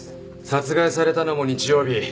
殺害されたのも日曜日。